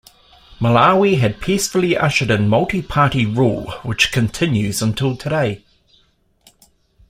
Malawi had peacefully ushered in multi-party rule which continues until today.